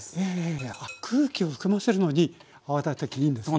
いやあっ空気を含ませるのに泡立て器いいんですね。